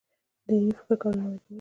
دیني فکر نوی کول دی.